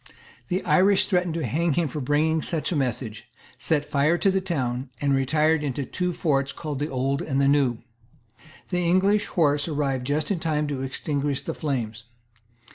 The Irish threatened to hang him for bringing such a message, set fire to the town, and retired into two forts called the Old and the New. The English horse arrived just in time to extinguish the flames.